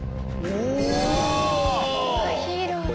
うわヒーローだ。